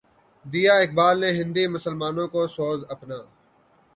دیا اقبالؔ نے ہندی مسلمانوں کو سوز اپنا